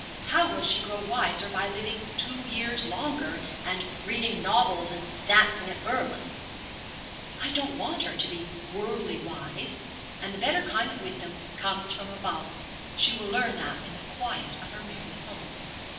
How will she grow wiser by living two years longer, and reading novels, and dancing at Bournemouth? I don't want her to be worldly wise; and the better kind of wisdom comes from above. She will learn that in the quiet of her married home.'